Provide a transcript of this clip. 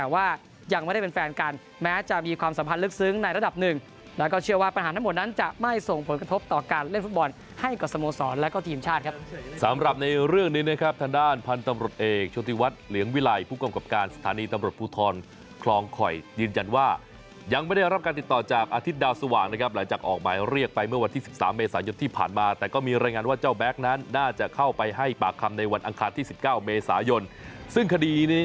ว่ายังไม่ได้เป็นแฟนกันแม้จะมีความสัมพันธ์ลึกซึ้งในระดับหนึ่งแล้วก็เชื่อว่าปัญหาทั้งหมดนั้นจะไม่ส่งผลกระทบต่อการเล่นฟุตบอลให้กับสโมสรแล้วก็ทีมชาติครับสำหรับในเรื่องนี้นะครับท่านด้านพันธ์ตำรวจเอกโชธิวัฒน์เหลียงวิลัยผู้กรรมกราบการสถานีตำรวจภูทรคลองคอยยืนย